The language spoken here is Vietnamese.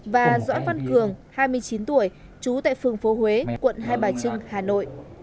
và dõi văn cường hai mươi chín tuổi chú tại phường phố huế quận hai bà trưng hà nội